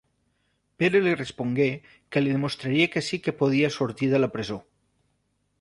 Pere li respongué que li demostraria que sí que podia sortir de la presó.